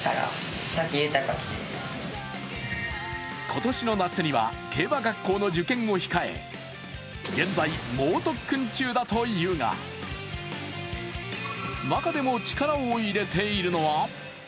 今年の夏には、競馬学校の受験を控え現在、猛特訓中だというが中でも力を入れているのは？